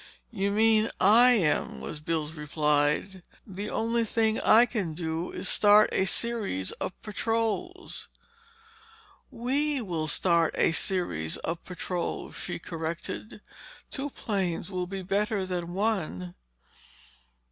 "You mean I am," was Bill's reply. "The only thing I can do is to start a series of patrols." "We will start a series of patrols," she corrected. "Two planes will be better than one."